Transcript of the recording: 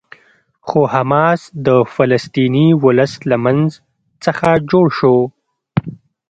خو حماس د فلسطیني ولس له منځ څخه جوړ شو.